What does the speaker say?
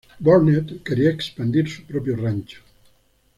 Burnett quería expandir su propio rancho.